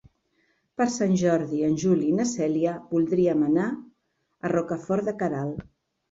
Per Sant Jordi en Juli i na Cèlia voldrien anar a Rocafort de Queralt.